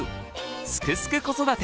「すくすく子育て」